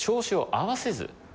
合わせず。